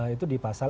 itu di pasal enam